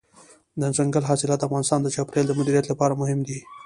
دځنګل حاصلات د افغانستان د چاپیریال د مدیریت لپاره مهم دي.